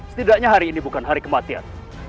setidaknya hari ini bukan hari kematian